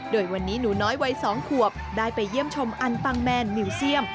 โดยวันนี้หนูน้อยวัย๒ขวบได้ไปเยี่ยมชมอันปังแมนมิวเซียม